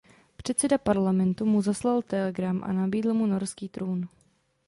Předseda parlamentu mu zaslal telegram a nabídl mu norský trůn.